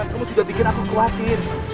semua juga bikin aku khawatir